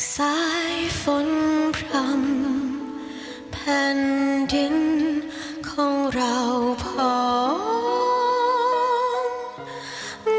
สายฝนพร่ำแผ่นดินของเราพอ